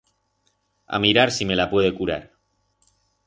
A mirar si me la puede curar.